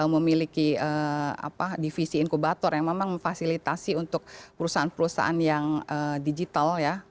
memiliki divisi inkubator yang memang memfasilitasi untuk perusahaan perusahaan yang digital ya